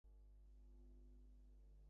ভেবেছিলাম আরো বড়োসড়ো হবে।